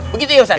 begitu ya ustadz